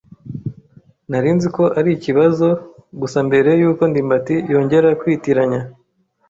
Nari nzi ko ari ikibazo gusa mbere yuko ndimbati yongera kwitiranya.